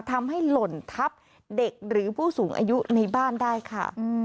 หล่นทับเด็กหรือผู้สูงอายุในบ้านได้ค่ะ